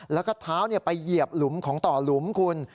แล้วก็เท้าไปเหยียบหลุมของต่อหลุมคุณ